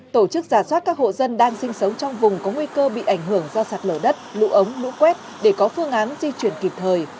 tổ chức giả soát các hộ dân đang sinh sống trong vùng có nguy cơ bị ảnh hưởng do sạt lở đất lũ ống lũ quét để có phương án di chuyển kịp thời